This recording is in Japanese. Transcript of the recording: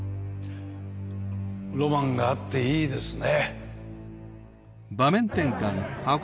ロマンがあっていいですね。